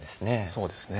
そうですね。